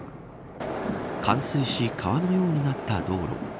冠水し川のようになった道路。